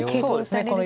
そうですね。